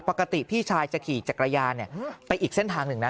พี่ชายจะขี่จักรยานไปอีกเส้นทางหนึ่งนะ